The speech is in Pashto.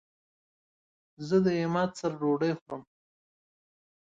زه د عماد سره ډوډی خورم